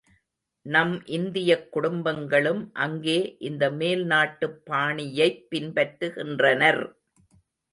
நம் இந்தியக் குடும்பங்களும் அங்கே இந்த மேல் நாட்டுப் பாணியைப் பின்பற்றுகின்றனர்.